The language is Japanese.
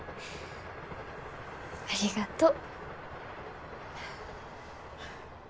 ありがとう。